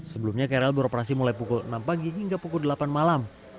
sebelumnya krl beroperasi mulai pukul enam pagi hingga pukul delapan malam